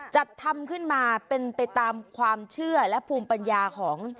จัดทำขึ้นมาเป็นไปตามความเชื่อและภูมิปัญญาของ